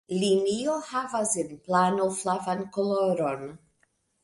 Linio havas en plano flavan koloron.